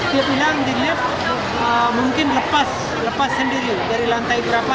dia bilang di lift mungkin lepas lepas sendiri dari lantai berapa